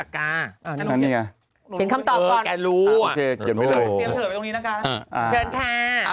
เข้มคำตอบก่อนแกรู้อ่ะ